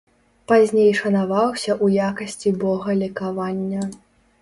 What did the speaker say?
Пазней шанаваўся ў якасці бога лекавання.